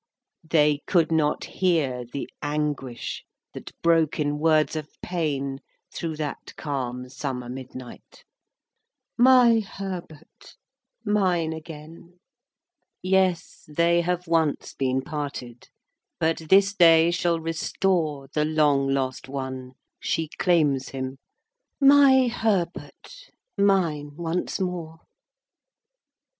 They could not hear the anguish That broke in words of pain Through that calm summer midnight,— "My Herbert—mine again!" Yes, they have once been parted, But this day shall restore The long lost one: she claims him: "My Herbert—mine once more!"